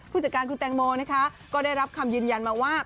ผู้จัดการคุณแตงโมนะคะก็ได้รับคำยืนยันมาว่า